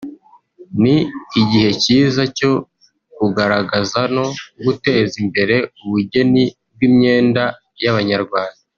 ni igihe cyiza cyo kugaragaza no guteza imbere ubugeni bw’imyenda y’Abanyarwanda